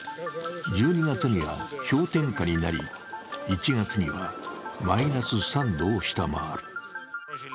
１２月には氷点下になり１月にはマイナス３度を下回る。